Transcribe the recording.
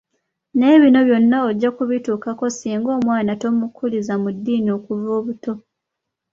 Naye bino byonna ojja kubituukako singa omwana tomukuliza mu ddiini okuva obuto.